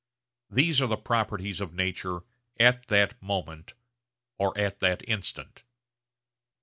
These are the properties of nature 'at that moment,' or 'at that instant.'